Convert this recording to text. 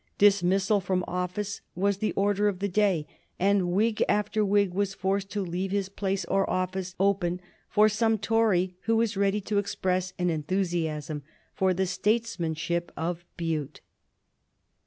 Dismissal from office was the order of the day, and Whig after Whig was forced to leave his place or office open for some Tory who was ready to express an enthusiasm for the statesmanship of Bute.